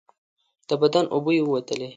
د بدن اوبه یې ووتلې.